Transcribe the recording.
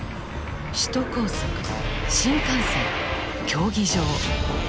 首都高速新幹線競技場。